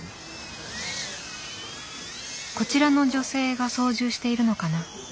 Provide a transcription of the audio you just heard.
こちらの女性が操縦しているのかな。